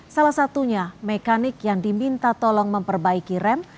salah satunya mekanik yang diminta tolong memperbaiki rem